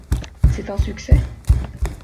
C’est un succès ?